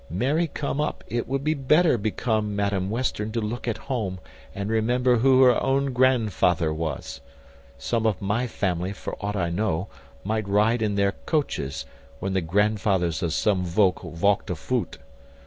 Marry come up! it would better become Madam Western to look at home, and remember who her own grandfather was. Some of my family, for aught I know, might ride in their coaches, when the grandfathers of some voke walked a voot.